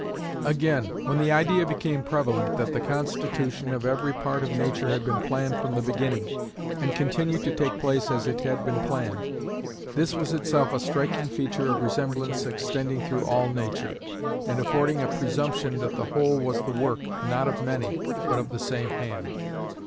Again, when the idea became prevalent that the constitution of every part of Nature had been planned from the beginning, and continued to take place as it had been planned, this was itself a striking feature of resemblance extending through all Nature, and affording a presumption that the whole was the work, not of many, but of the same hand.